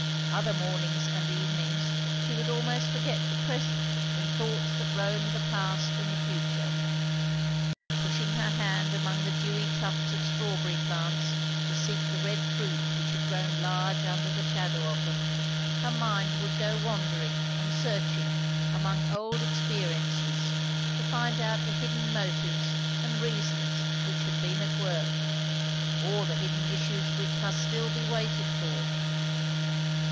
Other mornings and evenings, she would almost forget the present in thoughts that roamed the past and the future. Pushing her hand among the dewy tufts of strawberry plants to seek the red fruit which had grown large under the shadow of them, her mind would go wandering and searching among old experiences to find out the hidden motives and reasons which had been at work, or the hidden issues which must still be waited for.